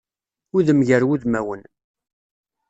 Udem gar wudmawen.